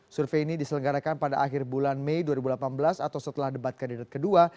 survei ini diselenggarakan pada akhir bulan mei dua ribu delapan belas atau setelah debat kandidat kedua